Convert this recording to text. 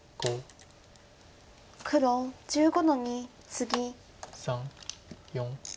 黒１５の二ツギ。